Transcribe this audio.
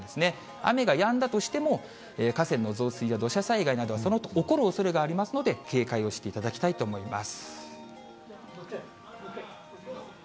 雨がやんだとしても、河川の増水や土砂災害などはそのあと起こるおそれがありますので、警戒をしていただきたいと思います。